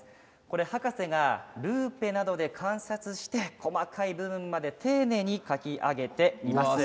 博士がルーペなどで観察して細かい部分まで丁寧に描き上げています。